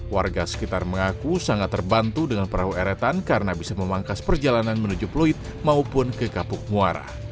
warga sekitar mengaku sangat terbantu dengan perahu eretan karena bisa memangkas perjalanan menuju pluit maupun ke kapuk muara